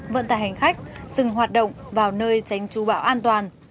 vận tài hành khách dừng hoạt động vào nơi tránh chú bão an toàn